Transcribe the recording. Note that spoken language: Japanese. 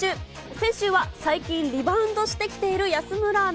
先週は最近、リバウンドしてきている安村アナ。